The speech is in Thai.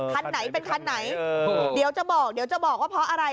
คันไหนเป็นคันไหนเดี๋ยวจะบอกว่าเพราะอะไร